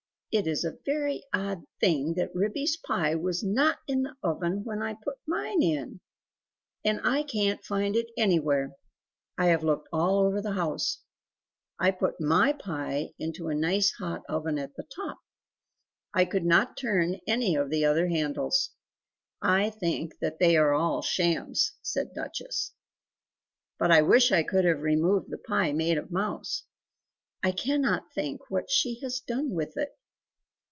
"It is a very odd thing that Ribby's pie was NOT in the oven when I put mine in! And I can t find it anywhere; I have looked all over the house. I put MY pie into a nice hot oven at the top. I could not turn any of the other handles; I think that they are all shams," said Duchess, "but I wish I could have removed the pie made of mouse! I cannot think what she has done with it?